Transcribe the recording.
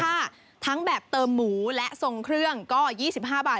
ถ้าทั้งแบบเติมหมูและทรงเครื่องก็๒๕บาท